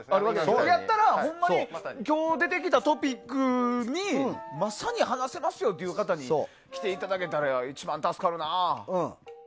そうやったらほんまに今日出てきたトピックにまさに話せますよ！という方に来ていただけたら一番助かるな。